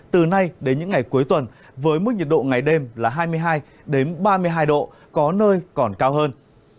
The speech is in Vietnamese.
từ nay đến những ngày cuối tuần với mức nhiệt độ ngày đêm là hai mươi hai ba mươi hai độ có nơi còn cao hơn